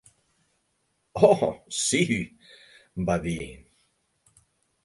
"Oh, sí" va dir.